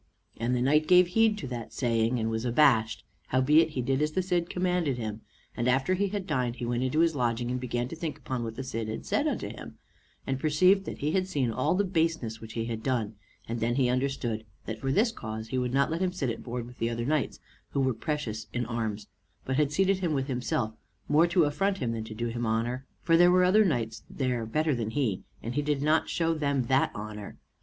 And the knight gave heed to that saying, and was abashed; howbeit he did as the Cid commanded him: and after he had dined he went to his lodging and began to think upon what the Cid had said unto him, and perceived that he had seen all the baseness which he had done; and then he understood that for this cause he would not let him sit at board with the other knights who were precious in arms, but had seated him with himself, more to affront him than to do him honor, for there were other knights there better than he, and he did not show them that honor.